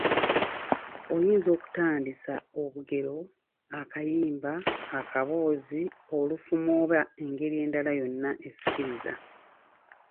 Oyinza okutandisa obugero, akayimba, akaboozi, olufumo oba engeri endala yonna esikiriza.